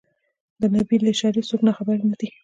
د نبي له اشارې څوک ناخبر نه دي.